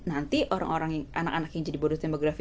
nanti orang orang yang anak anak yang jadi bonus demografi